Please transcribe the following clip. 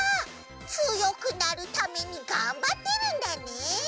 つよくなるためにがんばってるんだね！